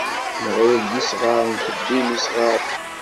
Nɣil d isɣaren tewwim isɣaren.